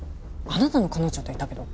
あなたの彼女といたけど。